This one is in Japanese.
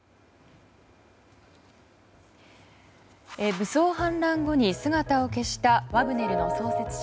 武装反乱後に姿を消したワグネルの創設者